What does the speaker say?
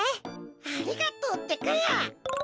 ありがとうってか。